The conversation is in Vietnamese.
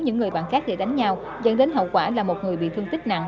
những người bạn khác để đánh nhau dẫn đến hậu quả là một người bị thương tích nặng